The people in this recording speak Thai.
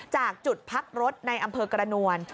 จากจุดพักรถในอำเภอกระนวล